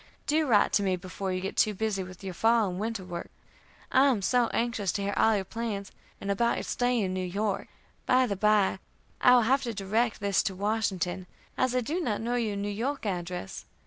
Do write to me before you get too busy with your fall and winter work; I am so anxious to hear all your plans, and about your stay in New York. By the by, I will have to direct this to Washington, as I do not know your New York address.